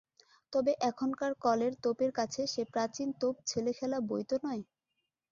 তবে এখনকার কলের তোপের কাছে সে প্রাচীন তোপ ছেলেখেলা বৈ তো নয়।